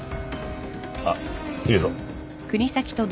あっ切るぞ。